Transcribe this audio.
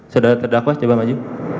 sudah terdakwas coba maju